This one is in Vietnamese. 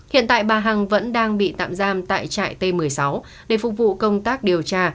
hiện tại bà hằng vẫn đang bị tạm giam tại trại t một mươi sáu để phục vụ công tác điều tra